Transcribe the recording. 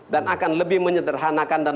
dan akan lebih menyederhanakan dan